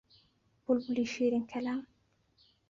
بولبولی شیرین کەلام